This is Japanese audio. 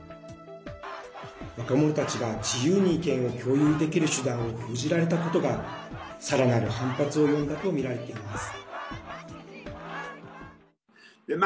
若者たちが自由に意見を共有できる手段を封じられたことがさらなる反発を呼んだとみられています。